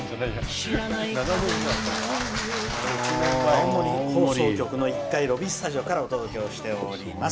青森放送局の１階ロビースタジオからお届けをしております。